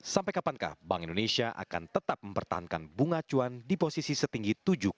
sampai kapankah bank indonesia akan tetap mempertahankan bunga cuan di posisi setinggi tujuh